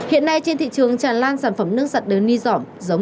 hiện nay trên thị trường tràn lan sản phẩm nước sặt đều ni dỏm